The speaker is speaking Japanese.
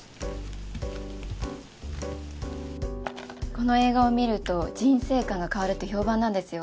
この映画を観ると人生観が変わるって評判なんですよ。